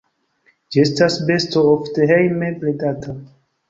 Ĝi estas besto ofte hejme bredata.